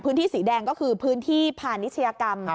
พื้นที่สีแดงก็คือพื้นที่ผ่านนิชยากรรม